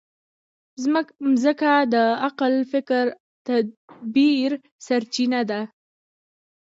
مځکه د عقل، فکر او تدبر سرچینه ده.